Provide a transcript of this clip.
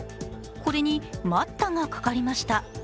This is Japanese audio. これに待ったがかかりました。